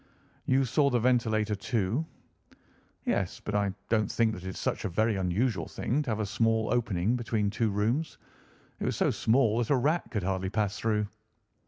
"You saw the ventilator, too?" "Yes, but I do not think that it is such a very unusual thing to have a small opening between two rooms. It was so small that a rat could hardly pass through."